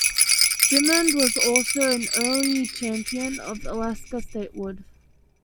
Dimond was also an early champion of Alaska statehood.